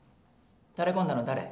タレこんだのは誰？